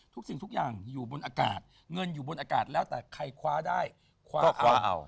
สิ่งทุกอย่างอยู่บนอากาศเงินอยู่บนอากาศแล้วแต่ใครคว้าได้คว้าเอา